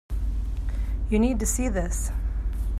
You need to see this.